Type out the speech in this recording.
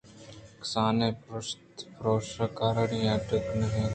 کسانیں پرشت ءُپرٛوش ءِ کارانی اڈ کنگ